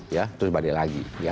ya terus balik lagi